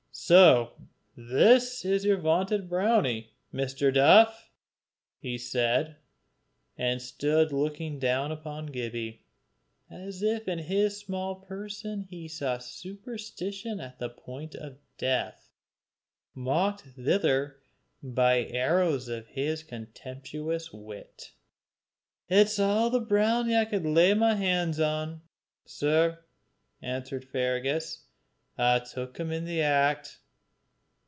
"So this is your vaunted brownie, Mr. Duff!" he said, and stood looking down upon Gibbie, as if in his small person he saw superstition at the point of death, mocked thither by the arrows of his contemptuous wit. "It's all the brownie I could lay hands on, sir," answered Fergus. "I took him in the act."